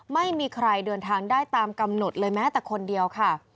ไม่มีใครเดินทางได้ตามกำหนดเลยแม้แต่คนเดียวค่ะ